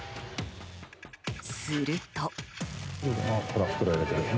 すると。